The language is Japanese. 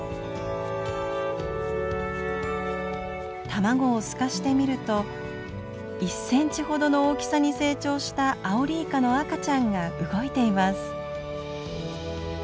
卵を透かして見ると１センチほどの大きさに成長したアオリイカの赤ちゃんが動いています。